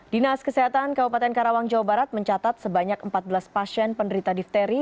dinas kesehatan kabupaten karawang jawa barat mencatat sebanyak empat belas pasien penderita difteri